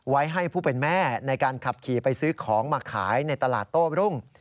ให้ผู้เป็นแม่ในการขับขี่ไปซื้อของมาขายในตลาดโต้รุ่ง